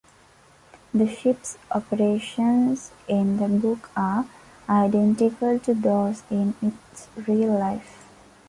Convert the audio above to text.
The ship's operations in the book are identical to those in its real life.